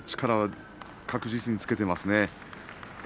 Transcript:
力は確実につけてますね。